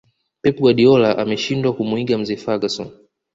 pep guardiola ameshindwa kumuiga mzee ferguson